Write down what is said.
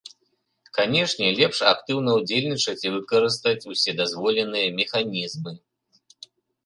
Канешне, лепш актыўна ўдзельнічаць і выкарыстаць усе дазволеныя механізмы.